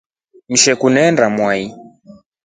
Usheku neenda mwai.